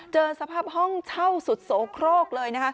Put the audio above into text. เจอสภาพห้องเช่าสุดโสโครกเลยนะคะ